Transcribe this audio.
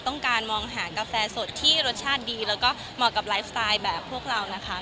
ต้องการมองหากาแฟสดที่รสชาติดีแล้วก็เหมาะกับไลฟ์สไตล์แบบพวกเรานะคะ